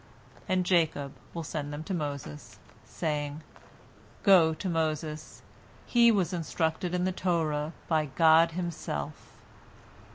And Jacob will send them to Moses, saying, "Go to Moses, he was instructed in the Torah by God Himself."